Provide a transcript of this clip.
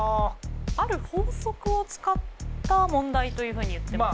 ある法則を使った問題というふうに言ってましたよね。